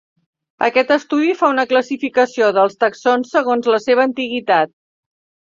Aquest estudi fa una classificació dels taxons segons la seva antiguitat.